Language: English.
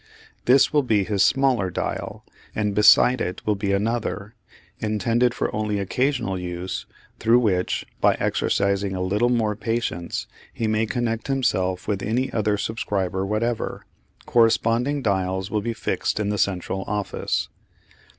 This will be his "smaller dial," and beside it will be another, intended for only occasional use, through which, by exercising a little more patience, he may connect himself with any other subscriber whatever. Corresponding dials will be fixed in the central office.